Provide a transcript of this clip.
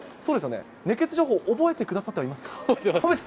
熱ケツ情報、覚えてくださっては覚えてます。